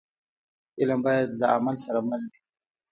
علم باید له عمل سره مل وي.